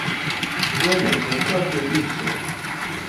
Звальняйся з працы, і ўсё.